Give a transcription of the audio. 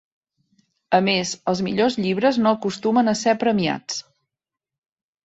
A més, els millors llibres no acostumen a ser premiats.